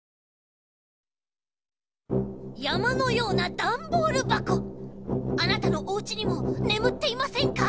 やまのようなダンボールばこあなたのおうちにもねむっていませんか？